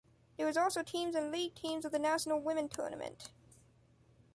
There is also Teams and League Teams of the National Women Tournament.